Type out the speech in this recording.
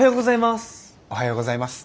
おはようございます。